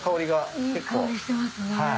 いい香りしてますね。